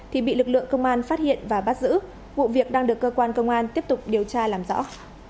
thì bị lực lượng công an phát hiện và bắt giữ vụ việc đang được cơ quan công an tiếp tục điều tra làm rõ